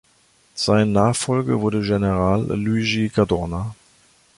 Sein Nachfolger wurde General Luigi Cadorna.